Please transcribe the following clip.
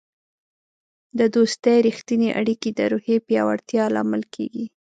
د دوستی رښتیني اړیکې د روحیې پیاوړتیا لامل کیږي.